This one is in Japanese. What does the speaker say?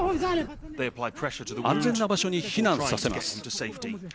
安全な場所に避難させます。